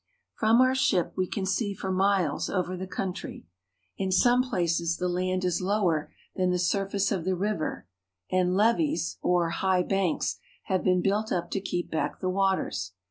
From our ship we can see for miles over the country. In some places the land is lower than the surface of the river, and levees, or high banks, have ,been built up to keep back the waters.